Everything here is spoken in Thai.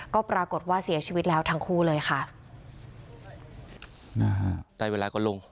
ก็ปรากฏว่าเสียชีวิตแล้วทั้งคู่เลยค่ะ